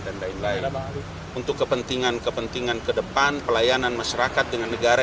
dan lain lain untuk kepentingan kepentingan kedepan pelayanan masyarakat dengan negara